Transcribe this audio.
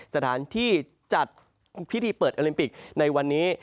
สถานที่จัดพิธีเปิดโอลิมปิกในวันนี้